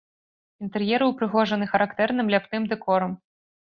Інтэр'еры ўпрыгожаны характэрным ляпным дэкорам.